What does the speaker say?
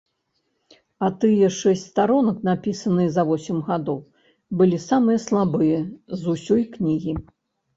А тыя шэсць старонак, напісаныя за восем гадоў, былі самыя слабыя з усёй кнігі.